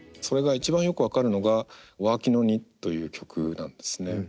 それが一番よく分かるのが「Ｗｏｒｋｉｎｏｎｉｔ」という曲なんですね。